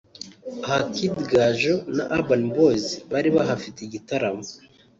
aha Kid Gaju na Urban boys bari bahafite igitaramo